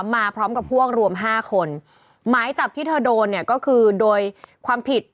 มาพร้อมกับพวกรวมห้าคนหมายจับที่เธอโดนเนี่ยก็คือโดยความผิด